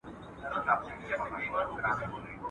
o د خلگو زور د خداى زور دئ.